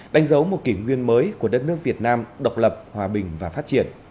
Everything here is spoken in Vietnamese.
đánh dấu một kỷ nguyên mới của đất nước việt nam độc lập hòa bình và phát triển